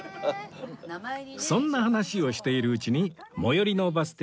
そんな話をしているうちに最寄りのバス停